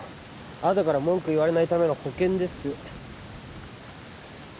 あとから文句言われないための保険です